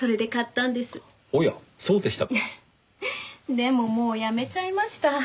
でももうやめちゃいました。